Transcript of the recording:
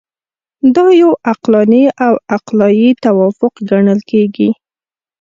دا یو عقلاني او عقلایي توافق ګڼل کیږي.